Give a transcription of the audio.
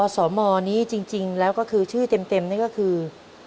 สมนี้จริงแล้วก็คือชื่อเต็มนี่ก็คือ